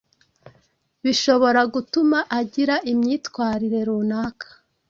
bishobora gutuma agira imyitwarire runaka